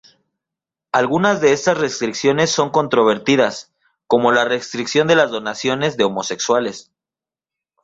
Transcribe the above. Algunas de estas restricciones son controvertidas, como la restricción de las donaciones de homosexuales.